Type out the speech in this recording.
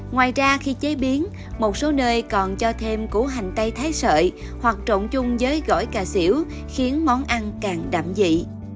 ngoài ra khi chế biến một số nơi còn cho thêm củ hành tây thái sợi hoặc trộn chung với gỏi cà xỉu khiến món ăn càng đạm dị